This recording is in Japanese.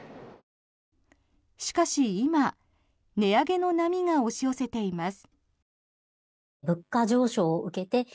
しかし今、値上げの波が押し寄せています。